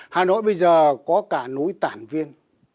hà nội bây giờ có cả núi tản viên